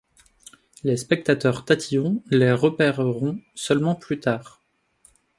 Les spectateurs tatillons les repéreront seulement plus tard.